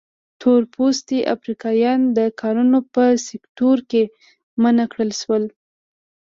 تور پوستي افریقایان د کانونو په سکتور کې منع کړل شول.